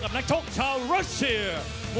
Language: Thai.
คุณผู้ชม